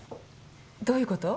どういうこと？